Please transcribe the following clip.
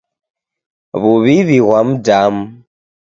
W'uw'iw'i ghwa mdamu.